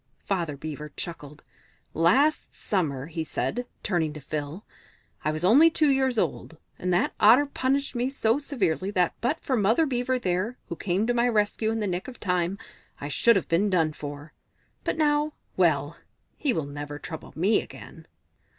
Father Beaver chuckled. "Last summer," he said, turning to Phil, "I was only two years old, and that Otter punished me so severely that but for Mother Beaver there, who came to my rescue in the nick of time, I should have been done for. But now well, he will never trouble me again!"